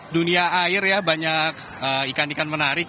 dunia air ya banyak ikan ikan menarik